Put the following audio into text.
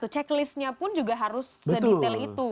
dan checklistnya pun juga harus sedetail itu